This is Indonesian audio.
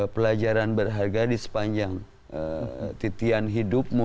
pelajaran berharga di sepanjang titian hidupmu